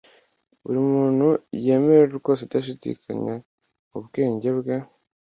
buri muntu yemere rwose adashidikanya mu bwenge bwe